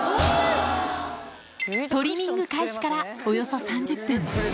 トリミング開始からおよそ３０分。